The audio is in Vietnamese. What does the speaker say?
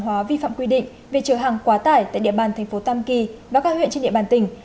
hóa vi phạm quy định về trở hàng quá tải tại địa bàn tp tam kỳ và các huyện trên địa bàn tỉnh